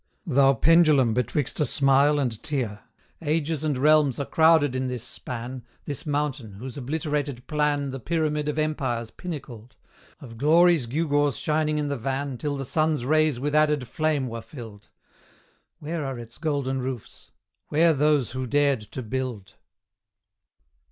Thou pendulum betwixt a smile and tear, Ages and realms are crowded in this span, This mountain, whose obliterated plan The pyramid of empires pinnacled, Of Glory's gewgaws shining in the van Till the sun's rays with added flame were filled! Where are its golden roofs? where those who dared to build?